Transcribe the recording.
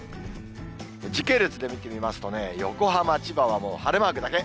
時系列で見てみますとね、横浜、千葉はもう晴れマークだけ。